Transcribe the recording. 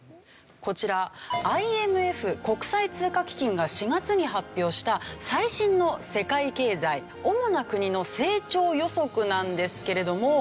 こちらＩＭＦ国際通貨基金が４月に発表した最新の世界経済主な国の成長予測なんですけれども。